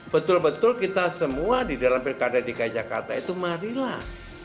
betul betul kita semua di dalam pilkada dki jakarta itu marilah